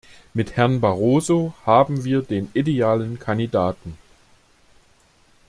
Mit Herrn Barroso haben wir den idealen Kandidaten.